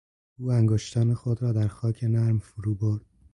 او انگشتان خود را در خاک نرم فرو برد.